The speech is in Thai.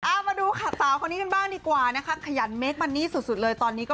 เอามาดูค่ะสาวคนนี้กันบ้างดีกว่านะคะขยันเคคมันนี่สุดสุดเลยตอนนี้ก็